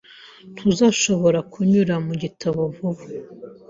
Ntuzashobora kunyura mu gitabo vuba.